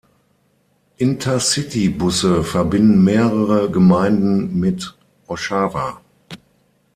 Intercity Busse verbinden mehrere Gemeinden mit Oshawa.